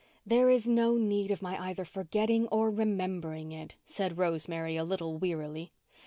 "There is no need of my either forgetting or remembering it," said Rosemary, a little wearily.